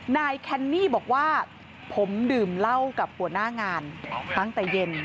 นายแคนนี่บอกว่าผมดื่มเหล้ากับหัวหน้างานตั้งแต่เย็น